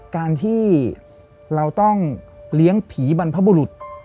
การที่เราต้องเลี้ยงผีบรรพบุรุษ